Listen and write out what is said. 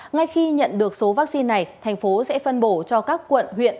ngay khi nhận được số vaccine này thành phố sẽ phân bổ cho các quận huyện